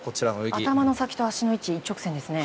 頭の先と足の先が一直線ですね。